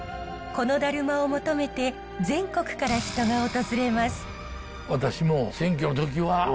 このダルマを求めて全国から人が訪れます。